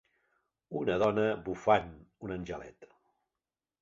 Una dona "bufant un angelet".